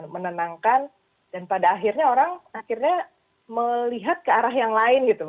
menenangkan dan pada akhirnya orang akhirnya melihat ke arah yang lain gitu